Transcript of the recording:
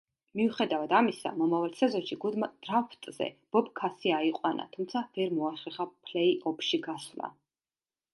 მიუხედავად ამისა, მომავალ სეზონში გუნდმა დრაფტზე ბობ ქასი აიყვანა, თუმცა ვერ მოახერხა პლეი-ოფში გასვლა.